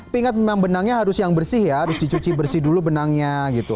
pingat memang benangnya harus yang bersih ya harus dicuci bersih dulu benangnya gitu